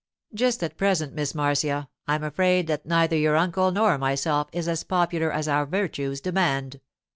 'Just at present, Miss Marcia, I'm afraid that neither your uncle nor myself is as popular as our virtues demand.